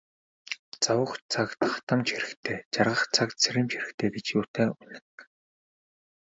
Зовох цагт хатамж хэрэгтэй, жаргах цагт сэрэмж хэрэгтэй гэж юутай үнэн.